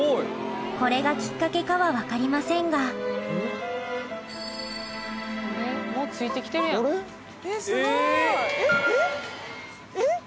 これがきっかけかは分かりませんがもうついて来てるやん。